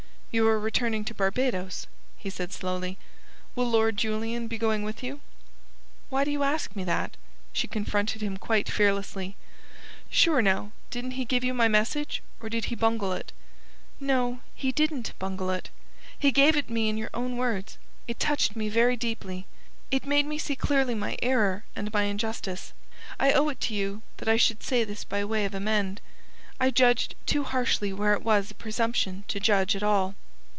"You are returning to Barbados?" he said slowly. "Will Lord Julian be going with you?" "Why do you ask me that?" she confronted him quite fearlessly. "Sure, now, didn't he give you my message, or did he bungle it?" "No. He didn't bungle it. He gave it me in your own words. It touched me very deeply. It made me see clearly my error and my injustice. I owe it to you that I should say this by way of amend. I judged too harshly where it was a presumption to judge at all."